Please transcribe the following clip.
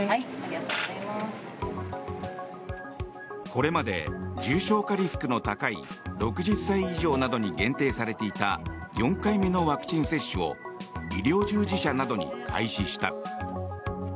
これまで重症化リスクの高い６０歳以上などに限定されていた４回目のワクチン接種を医療従事者などに開始した。